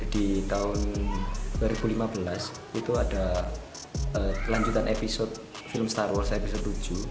di tahun dua ribu lima belas itu ada kelanjutan episode film star wars episode tujuh